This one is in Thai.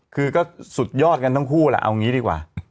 คือก็สุดยอดกันทั้งคู่แหละเอางี้ดีกว่า